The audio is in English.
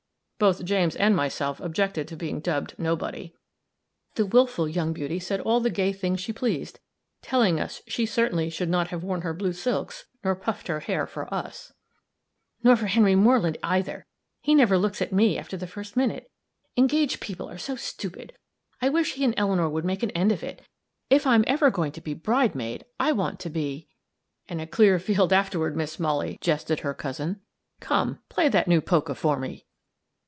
Both James and myself objected to being dubbed nobody. The willful young beauty said all the gay things she pleased, telling us she certainly should not have worn her blue silks, nor puffed her hair for us " Nor for Henry Moreland either he never looks at me after the first minute. Engaged people are so stupid! I wish he and Eleanor would make an end of it. If I'm ever going to be bridemaid, I want to be " "And a clear field afterward, Miss Molly," jested her cousin. "Come! play that new polka for me."